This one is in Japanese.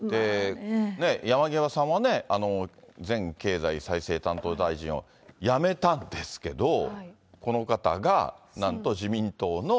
山際さんもね、前経済再生担当大臣を辞めたんですけど、この方が、なんと自民党の。